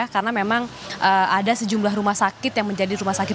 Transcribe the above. karena memang ada sejumlah rumah sakit yang menjadi rumah sakit